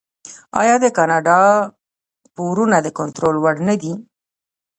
آیا د کاناډا پورونه د کنټرول وړ نه دي؟